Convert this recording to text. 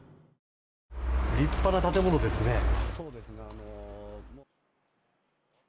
立派な建物ですね。